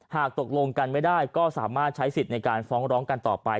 หากตกลงกันไม่ได้ก็สามารถใช้สิทธิ์ในการฟ้องร้องกันต่อไป